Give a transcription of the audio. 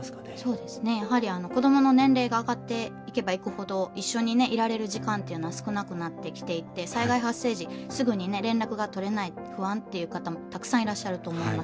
そうですねやはり子どもの年齢が上がっていけばいくほど一緒にいられる時間っていうのは少なくなってきていて災害発生時すぐにね連絡がとれない不安っていう方もたくさんいらっしゃると思います。